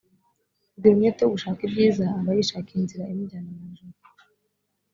ugira umwete wo gushaka ibyiza aba yishakiye inzira imujyana mwijuru